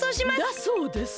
だそうです。